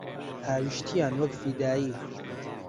هاویشتیان وەک فیدایی